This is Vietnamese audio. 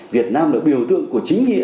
việt nam là biểu tượng của chính nghĩa